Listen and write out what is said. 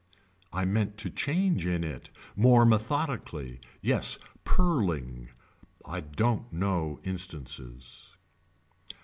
I meant to change in it. More methodically. Yes purling. I don't know instances.